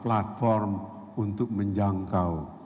platform untuk menjangkau